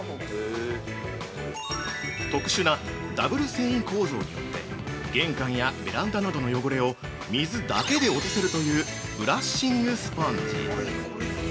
◆特殊なダブル繊維構造によって玄関やベランダなどの汚れが水だけで落とせるというブラッシングスポンジ。